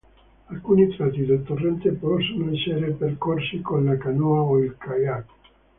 Alcuni tratti del torrente possono essere percorsi con la canoa o il kayak.